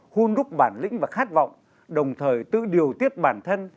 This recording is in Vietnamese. hôn đúc bản lĩnh và khát vọng đồng thời tự điều tiết bản thân